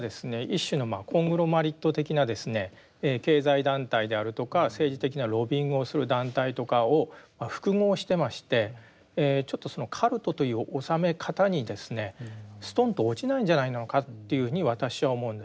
一種のコングロマリット的な経済団体であるとか政治的なロビイングをする団体とかを複合してましてちょっとそのカルトという収め方にですねストンと落ちないんじゃないのかというふうに私は思うんですね。